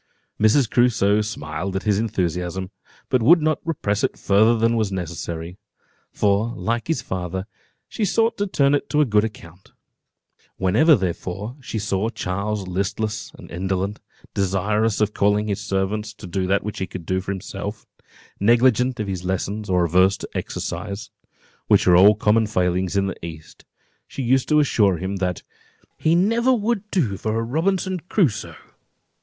Mrs. Crusoe smiled at his enthusiasm, but would not repress it further than was necessary; for, like his father, she sought to turn it to a good account. Whenever, therefore, she saw Charles listless and indolent, desirous of calling his servant to do that which he could do for himself, negligent of his lessons, or averse to exercise, which are all common failings in the east, she used to assure him "that he never would do for a Robinson Crusoe."